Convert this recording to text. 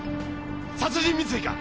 殺人未遂か？